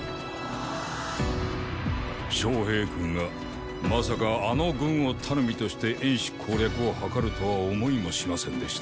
昌平君がまさかあの軍を頼みとして衍氏攻略を謀るとは思いもしませんでした。